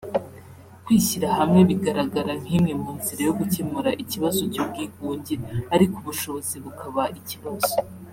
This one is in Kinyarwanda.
Kwishyirahamwe bigaraga nk’imwe mu nzira yo gukemura ikibazo cy’ubwingunge ariko ubushobozi bukaba ikibazo